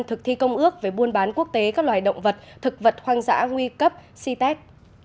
thực thi công ước về buôn bán quốc tế các loài động vật thực vật hoang dã nguy cấp c tet